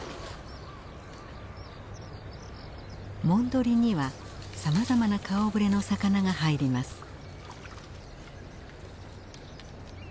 モンドリにはさまざまな顔ぶれの魚が入ります。